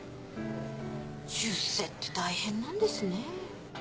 出世って大変なんですね。